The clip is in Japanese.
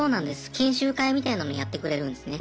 研修会みたいなのやってくれるんですね。